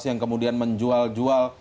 yang kemudian menjual jual